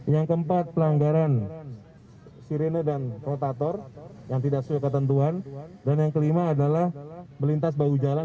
yang keempat pelanggaran sirene dan rotator yang tidak sesuai ketentuan dan yang kelima adalah melintas bahu jalan